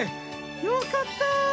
よかった！